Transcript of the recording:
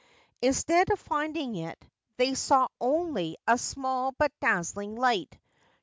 Instead of finding it, they saw only a small but dazzling light.